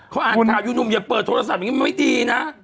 เขาอ่านข่าวอยู่หนุ่มอย่าเปิดโทรศัพท์อย่างนี้มันไม่ดีนะ